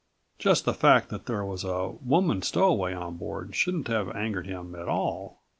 Just the fact that there was a woman stowaway on Board shouldn't have angered him at all.